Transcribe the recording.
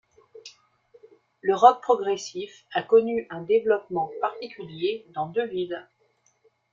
Le rock progressif a connu un développement particulier dans deux villes.